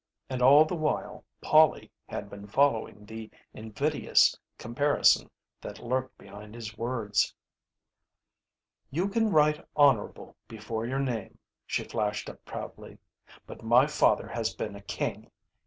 And all the while Polly had been following the invidious comparison that lurked behind his words. "You can write 'Honourable' before your name," she flashed up proudly. "But my father has been a king.